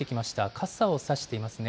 傘を差していますね。